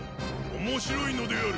面白いのである。